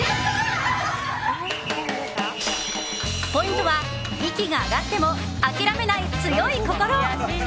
ポイントは息が上がっても諦めない強い心。